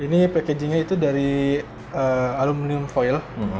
ini packaging nya itu dari aluminium foil